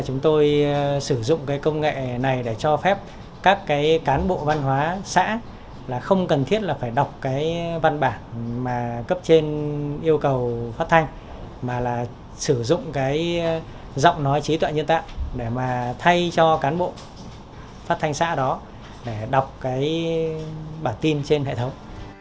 chúng tôi sử dụng công nghệ này để cho phép các cán bộ văn hóa xã không cần thiết đọc văn bản cấp trên yêu cầu phát thanh mà sử dụng giọng nói trí tạo nhiên tạo để thay cho cán bộ phát thanh xã đó đọc bản tin trên hệ thống